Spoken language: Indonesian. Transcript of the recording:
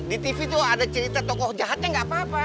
di tv tuh ada cerita tokoh jahatnya nggak apa apa